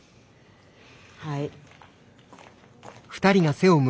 はい。